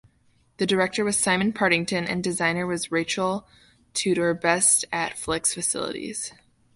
The director was Simon Partington and designer was Rachel Tudor Best at Flix Facilities.